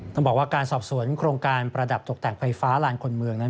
ต้องบอกว่าการสอบสวนโครงการประดับตกแต่งไฟฟ้าลานคนเมืองนั้น